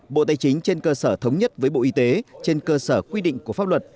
bộ tài chính trên cơ sở thống nhất với bộ y tế trên cơ sở quy định của pháp luật